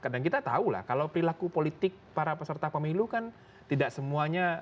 dan kita tahu lah kalau perilaku politik para peserta pemilu kan tidak semuanya